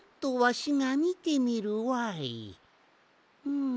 うん。